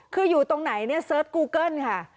คืออยู่ตรงไหนเนี่ยเสิร์ชกูเกิ้ลค่ะ